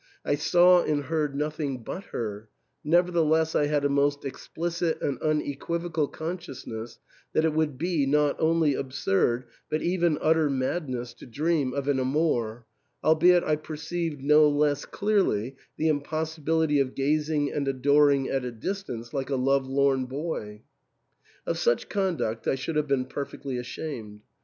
I saw and heard nothing but her ; nevertheless I had a most explicit and un equivocal consciousness that it would be not only absurd, but even utter madness to dream of an amour, albeit I perceived no less clearly the impossibility of gazing and adoring at a distance like a love lorn boy. Of such conduct I should have been perfectly ashamed.